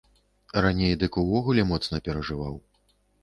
Раней дык увогуле моцна перажываў.